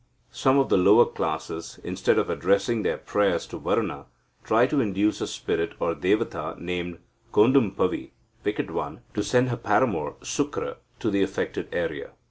Some of the lower classes, instead of addressing their prayers to Varuna, try to induce a spirit or devata named Kodumpavi (wicked one) to send her paramour Sukra to the affected area.